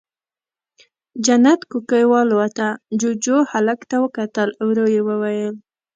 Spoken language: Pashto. جنت کوکۍ والوته، جُوجُو، هلک ته وکتل، ورو يې وويل: